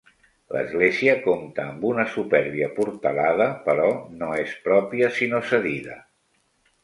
L'església compta amb una supèrbia portalada, però no és pròpia sinó cedida.